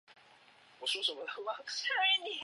母丁氏。